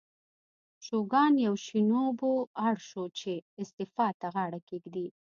شوګان یوشینوبو اړ شو چې استعفا ته غاړه کېږدي.